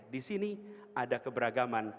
di sini ada keberagaman